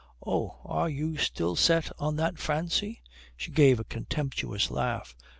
"Oh, are you still set on that fancy?" She gave a contemptuous laugh.